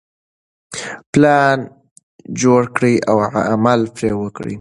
پلان جوړ کړئ او عمل پرې وکړئ.